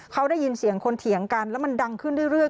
เขาได้ยินเสียงคนเถียงกันแล้วมันดังขึ้นเรื่อย